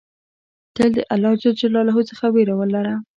تل د الله ج څخه ویره ولره.